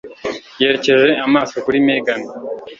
Yerekeje amaso kuri Megan.